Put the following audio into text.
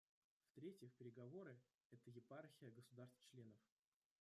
В-третьих, переговоры — это епархия государств-членов.